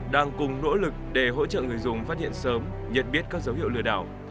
đang cùng nỗ lực để hỗ trợ người dùng phát hiện sớm nhận biết các dấu hiệu lừa đảo